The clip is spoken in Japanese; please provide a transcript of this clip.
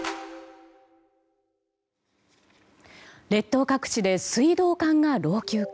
列島各地で水道管が老朽化。